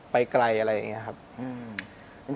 ไปไกลอะไรอย่างงี้